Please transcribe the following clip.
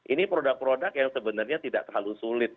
ini produk produk yang sebenarnya tidak terlalu sulit